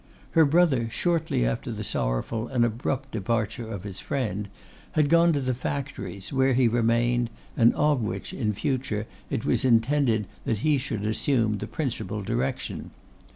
Her brother, shortly after the sorrowful and abrupt departure of his friend, had gone to the factories, where he remained, and of which, in future, it was intended that he should assume the principal direction.